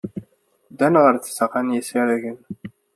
Ddan ɣer tzeɣɣa n yisaragen.